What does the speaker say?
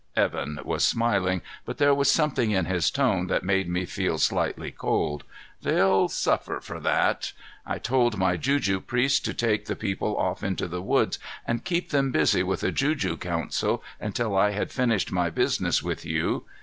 Evan was smiling, but there was something in his tone that made me feel slightly cold. "They'll suffer for that. I told my juju priests to take the people off into the woods and keep them busy with a juju council until I had finished my business with you.